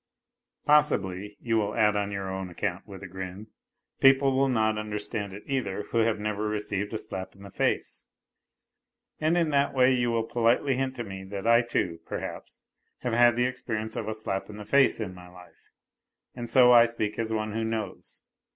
Possibly/ you will add on with a grin, " people win not understand it who have never received a slap in the face," and in that way yon wifl politely hint to me that I, too, perhaps, have had the f*jMiMMii> of a dap in the face in my hie, and so I speak as one who knows.